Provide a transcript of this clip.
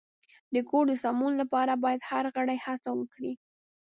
د کور د سمون لپاره باید هر غړی هڅه وکړي.